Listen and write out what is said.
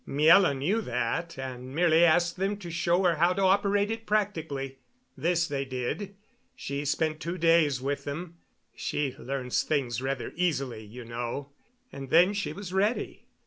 Miela knew that, and merely asked them to show her how to operate it practically. This they did. She spent two days with them she learns things rather easily, you know and then she was ready."